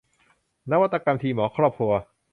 นวัตกรรมทีมหมอครอบครัว